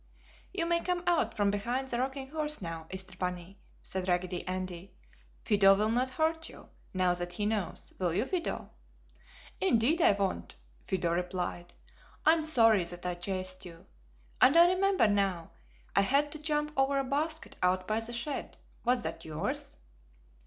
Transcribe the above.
"You may come out from behind the rocking horse now, Easter bunny!" said Raggedy Andy. "Fido will not hurt you, now that he knows, will you, Fido?" "Indeed I won't!" Fido replied. "I'm sorry that I chased you! And I remember now, I had to jump over a basket out by the shed! Was that yours?"